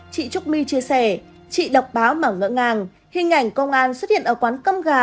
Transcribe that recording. chị trúc my chia sẻ chị độc đáo mà ngỡ ngàng hình ảnh công an xuất hiện ở quán cơm gà